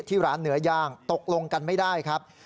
ที่ร้านเนื้อย่างตกลงกันไม่ได้ครับ